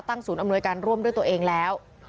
ศูนย์อำนวยการร่วมด้วยตัวเองแล้ว